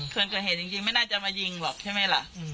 เกินกว่าเหตุจริงไม่น่าจะมายิงหรอกใช่ไหมหละ